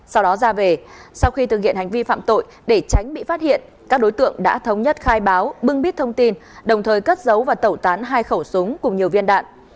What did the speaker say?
sau đó ra về sau khi thực hiện hành vi phạm tội để tránh bị phát hiện các đối tượng đã thống nhất khai báo bưng bít thông tin đồng thời cất giấu và tẩu tán hai khẩu súng cùng nhiều viên đạn